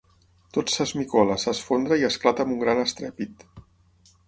Tot s'esmicola, s'esfondra i esclata amb un gran estrèpit.